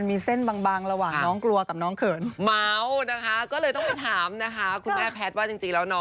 มีบอกว่าปิ๊งปิ๊งเป็นไรเจอน่าสาว